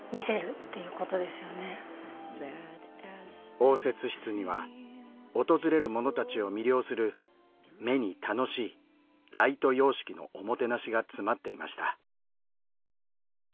応接室には訪れる者たちを魅了する目に楽しいライト様式のおもてなしが詰まっていました。